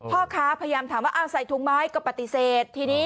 พ่อค้าพยายามถามว่าอ้าวใส่ถุงไม้ก็ปฏิเสธ